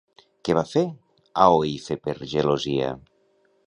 Què va fer Aoife per gelosia?